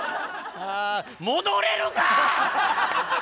戻れるか！